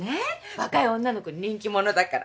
若い女の子に人気者だから。